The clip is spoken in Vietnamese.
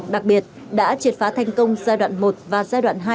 đặc biệt đã triệt phá thành công giai đoạn một và giai đoạn hai